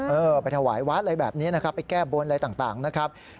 เออไปถวายวัดอะไรแบบนี้นะครับไปแก้บนอะไรต่างนะครับ